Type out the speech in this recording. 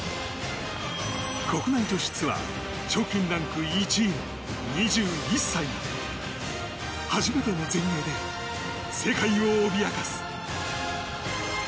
国内女子ツアー賞金ランキング１位の２１歳が初めての全英で世界を脅かす！